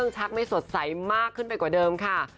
ชักไม่สดใสมากขึ้นไปกว่าเดิมค่ะ